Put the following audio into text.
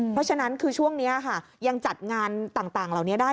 เพราะฉะนั้นคือช่วงนี้ค่ะยังจัดงานต่างเหล่านี้ได้